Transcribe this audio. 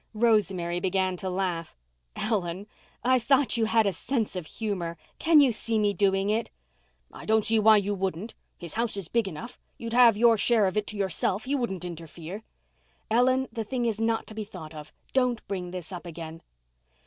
Rosemary began to laugh. "Ellen, I thought you had a sense of humour. Can you see me doing it?" "I don't see why you wouldn't. His house is big enough—you'd have your share of it to yourself—he wouldn't interfere." "Ellen, the thing is not to be thought of. Don't bring this up again."